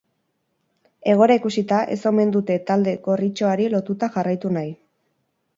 Egoera ikusita, ez omen dute talde gorritxoari lotuta jarraitu nahi.